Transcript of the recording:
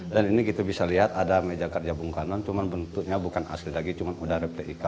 dan ini kita bisa lihat ada meja kerja bung karno cuma bentuknya bukan asli lagi cuma udah replika